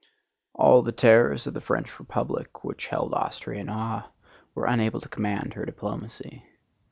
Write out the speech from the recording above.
All the terrors of the French Republic, which held Austria in awe, were unable to command her diplomacy.